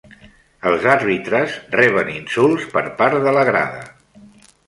Els àrbitres reben insults per part de la grada